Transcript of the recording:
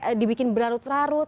ini sampai dibikin berarut rarut